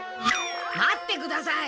待ってください！